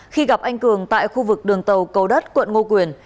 khi gặp anh cường tại khu vực đường tàu cầu đất quận ngô quyền